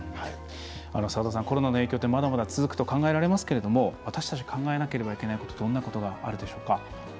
沢田さん、コロナの影響まだまだ続くと考えられますけど私たち考えなければいけないことどんなことがあるでしょうか？